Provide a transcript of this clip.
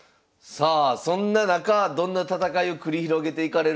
さあそんな中どんな戦いを繰り広げていかれるのか。